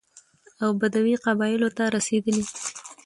او بدوي قبايلو ته رسېدلى،